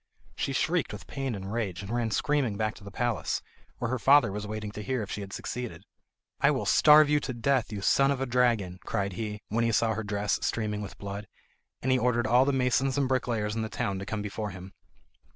She shrieked with pain and rage, and ran screaming back to the palace, where her father was waiting to hear if she had succeeded. "I will starve you to death, you son of a dragon," cried he, when he saw her dress streaming with blood; and he ordered all the masons and bricklayers in the town to come before him.